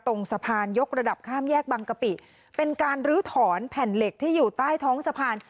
ตรงสะพานยกระดับข้ามแยกบังกะปิเป็นการลื้อถอนแผ่นเหล็กที่อยู่ใต้ท้องสะพาน